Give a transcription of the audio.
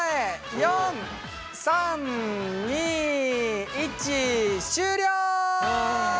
４３２１終了。